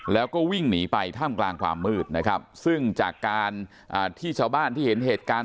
แล้วก็วิ่งหนีไปท่ามกลางความมืดนะครับซึ่งจากการที่ชาวบ้านที่เห็นเหตุการณ์